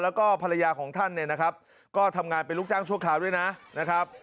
แล้วก็ภรรยาของท่านเนี่ยนะครับก็ทำงานเป็นลูกจ้างชั่วคราวด้วยนะครับ